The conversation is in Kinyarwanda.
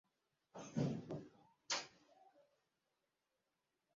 kugirirwa ineza no kwitabwaho n’uwamukundaga kubera ko nawe yakundaga yesu